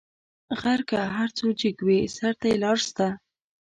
غر که هر څو جګ وي؛ سر ته یې لار سته.